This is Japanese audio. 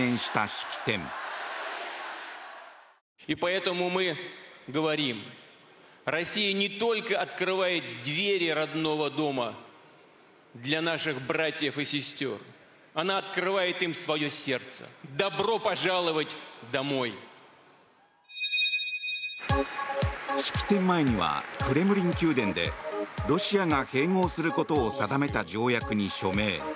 式典前にはクレムリン宮殿でロシアが併合することを定めた条約に署名。